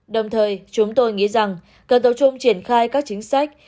đồng thời chúng tôi nghĩ rằng cần tổ chung triển khai các chính sách